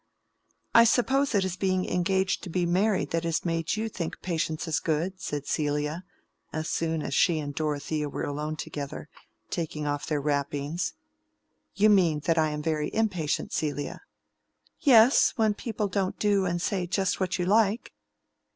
"I suppose it is being engaged to be married that has made you think patience good," said Celia, as soon as she and Dorothea were alone together, taking off their wrappings. "You mean that I am very impatient, Celia." "Yes; when people don't do and say just what you like."